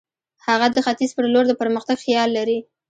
هغه د ختیځ پر لور د پرمختګ خیال لري.